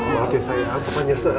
maaf ya sayang aku menyesal